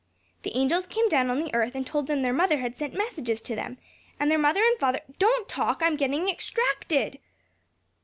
The angels came down on the earth, and told them their mother had sent messages to them; and their mother and father Don't talk! I'm gettin' extracted!"